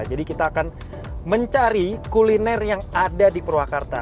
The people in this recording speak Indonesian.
jadi kita akan mencari kuliner yang ada di purwakarta